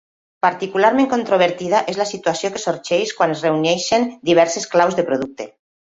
Particularment controvertida és la situació que sorgeix quan es reuneixen diverses claus de producte.